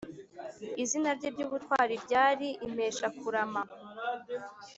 Izina rye ry’ubutwari ryari “Impeshakurama’’.